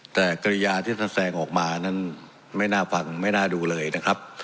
แต่กริยาที่ท่านแสดงออกมานั้นไม่น่าฟังไม่น่าดูเลยนะครับ